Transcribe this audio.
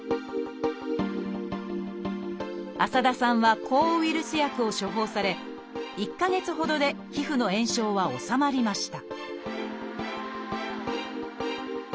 浅田さんは抗ウイルス薬を処方され１か月ほどで皮膚の炎症は治まりました